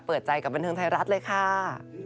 เปิดใจกับบันเทิงไทยรัฐเลยค่ะ